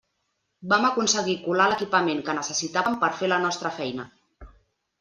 Vam aconseguir colar l'equipament que necessitàvem per fer la nostra feina.